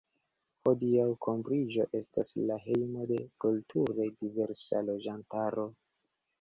Hodiaŭ, Kembriĝo estas la hejmo de kulture diversa loĝantaro.